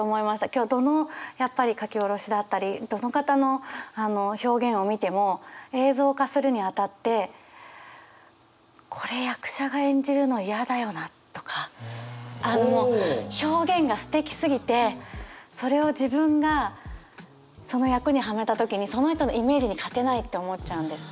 今日どの書き下ろしだったりどの方の表現を見ても映像化するにあたってとかあの表現がすてきすぎてそれを自分がその役にはめた時にその人のイメージに勝てないって思っちゃうんです。